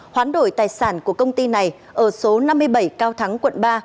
hoán đổi tài sản của công ty này ở số năm mươi bảy cao thắng quận ba